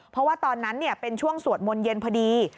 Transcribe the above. เพราะว่าตอนนั้นเป็นช่วงสวดมนต์เย็นพอดี